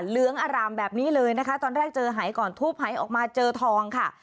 เหลืองอร่ามแบบนี้เลยนะคะตอนแรกเจอหายก่อนทูบหายออกมาเจอทองค่ะ